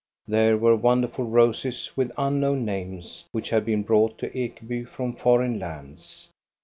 There were wonderful roses with unknown names, which had been brought to Ekeby from foreign lands.